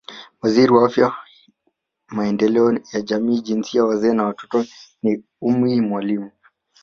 Waziri wa Afya Maendeleo ya Jamii Jinsia Wazee na Watoto ni Ummy Mwalimu